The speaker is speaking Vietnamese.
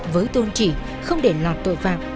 với tôn trị không để lọt tội phạm